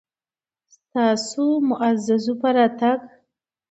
ستاسو معززو په راتګ